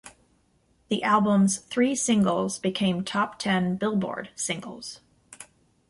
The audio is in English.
The album's three singles became top ten "Billboard" singles.